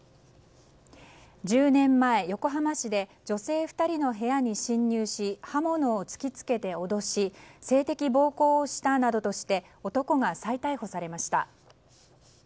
１０年前、横浜市で女性２人の部屋に侵入し刃物を突き付けて、脅し性的暴行をしたなどとして男が再逮捕されました。